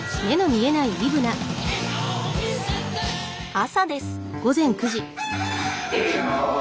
朝です。